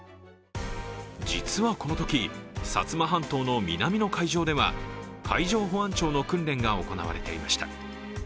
実はこのとき、薩摩半島の南の海上では海上保安庁の訓練が行われていました。